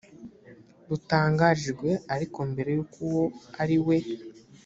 rutangarijwe ariko mbere y uko uwo ari we